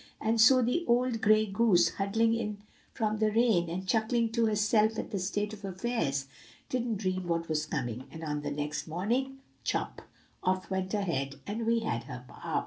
"And so the old gray goose, huddling in from the rain, and chuckling to herself at the state of affairs, didn't dream what was coming; and on the next morning, chop off went her head and we had our pie."